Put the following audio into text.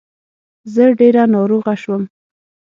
زه ډير ناروغه شوم